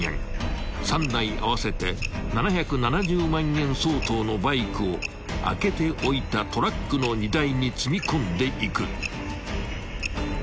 ［３台合わせて７７０万円相当のバイクを開けておいたトラックの荷台に積み込んでいく］